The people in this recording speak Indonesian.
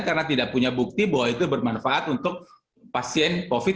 karena tidak punya bukti bahwa itu bermanfaat untuk pasien covid sembilan belas